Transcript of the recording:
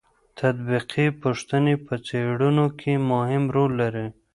تطبیقي پوښتنې په څېړنو کې مهم رول لري.